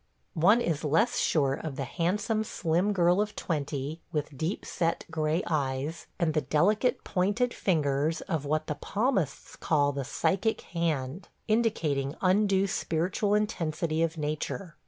One is less sure of the handsome, slim girl of twenty with deep set gray eyes, and the delicate pointed fingers of what the palmists call "the psychic hand," indicating undue spiritual intensity of nature.